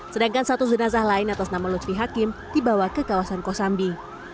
sedangkan satu jenazah lain atas nama lutfi hakim dibawa ke kawasan kosambi